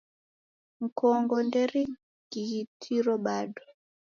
Mkongo nderighitiro bado.